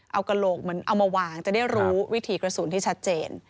เอากระโหลกเหมือนเอามาวางจะได้รู้วิถีกระสุนที่ชัดเจน